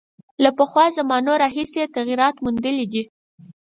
له پخوا زمانو راهیسې یې تغییرات میندلي دي.